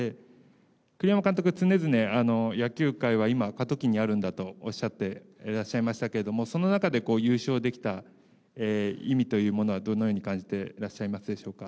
栗山監督、つねづね野球界は今、過渡期にあるんだとおっしゃってらっしゃいましたけど、その中で優勝できた意味というものはどのように感じていらっしゃいますでしょうか。